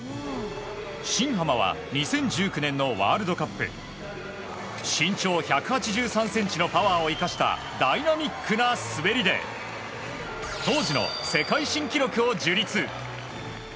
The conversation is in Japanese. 新濱は２０１９年のワールドカップ身長１８３ｃｍのパワーを生かしたダイナミックな滑りで当時の世界新記録を樹立。